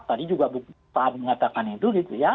tadi juga bukta mengatakan itu